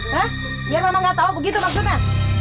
hah biar mama gak tahu begitu maksudnya